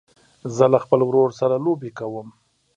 زه له خپل ورور سره لوبې کوم.